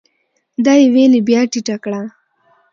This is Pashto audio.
دا يې ويلې بيا ټيټه کړه ؟